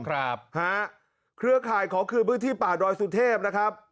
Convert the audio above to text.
ครับฮะเครือข่ายขอคืนพื้นที่ป่าดอยสุเทพนะครับ